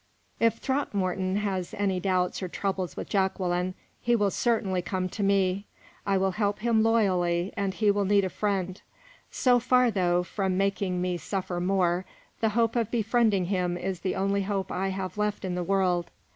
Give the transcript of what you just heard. If Throckmorton has any doubts or troubles with Jacqueline, he will certainly come to me. I will help him loyally, and he will need a friend. So far, though, from making me suffer more, the hope of befriending him is the only hope I have left in the world.